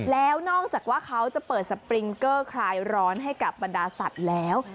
แล้วนอกจากว่าเขาจะเปิดสปริงเกอร์คลายร้อนให้กับบรรดาสัตว์แล้ว